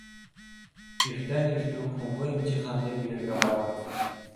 Иртән иртүк һуңғы имтиханды бирергә барам.